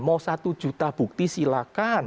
mau satu juta bukti silakan